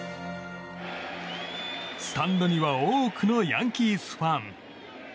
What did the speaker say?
スタンドには多くのヤンキースファン。